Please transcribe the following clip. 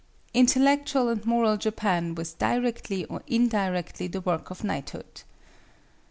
Intellectual and moral Japan was directly or indirectly the work of Knighthood.